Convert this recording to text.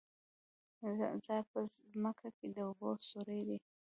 څا په ځمکه کې د اوبو سوری دی